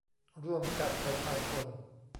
ร่วมกับประชาชน